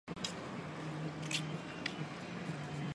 硫氰酸根存在键合异构体。